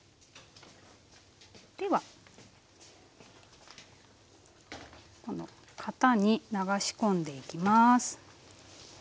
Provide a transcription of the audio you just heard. では型に流し込んでいきます。